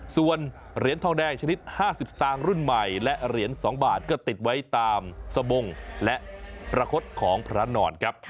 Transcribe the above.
ส่วนเหรียญทองแดงชนิด๕๐สตางค์รุ่นใหม่และเหรียญ๒บาทก็ติดไว้ตามสบงและประคดของพระนอนครับ